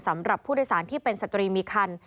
สำหรับผู้โดยสารที่เป็นสตรีมีคัน